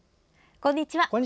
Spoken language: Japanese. こんにちは。